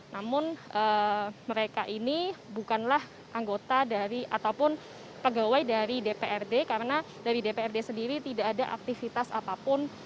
namun mereka ini bukanlah anggota dari ataupun pegawai dari dprd karena dari dprd sendiri tidak ada aktivitas apapun